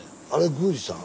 宮司さん！